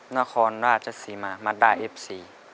นครราชสิมามาตราเอฟซี